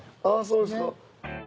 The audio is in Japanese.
あぁそうですか。